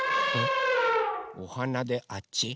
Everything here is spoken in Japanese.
おはなであっち？